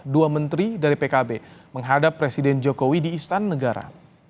dua menteri dari pkb menghadap presiden jokowi di istana negara